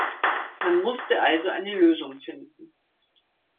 Man musste also eine Lösung finden.